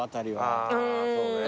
あぁそうね。